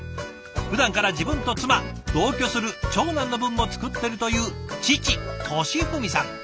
ふだんから自分と妻同居する長男の分も作ってるという父俊文さん。